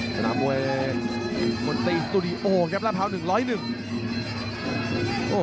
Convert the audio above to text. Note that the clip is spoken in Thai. สนามมวยมนตรีสตูดิโอราภาว๑๐๑